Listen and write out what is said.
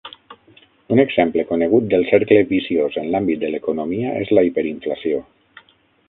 Un exemple conegut del cercle viciós en l'àmbit de l'economia és la hiperinflació.